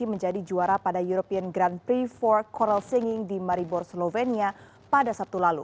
menjadi juara pada european grand prix empat coral singing di maribor slovenia pada sabtu lalu